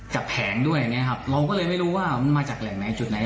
จับแผงด้วยนะครับเราก็เลยไม่รู้ว่ามันมาจากแหล่งไหนจุดไหน